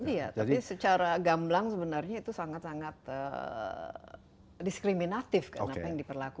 iya tapi secara gamblang sebenarnya itu sangat sangat diskriminatif kan apa yang diperlakukan